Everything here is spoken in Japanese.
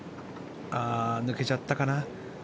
抜けちゃったかな。